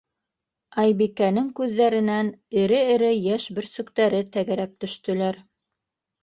Айбикәнең күҙҙәренән эре-эре йәш бөрсөктәре тәгәрәп төштөләр.